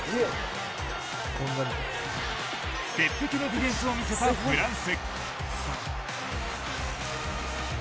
鉄壁のディフェンスを見せたフランス。